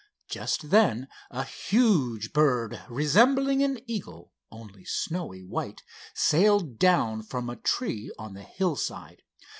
Just then a huge bird resembling an eagle, only snowy white, sailed down from a tree on the hillside.